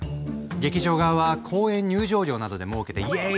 劇場側は公演入場料などでもうけてイエーイ！